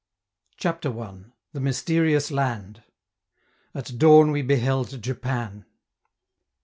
CHAPTER I. THE MYSTERIOUS LAND At dawn we beheld Japan.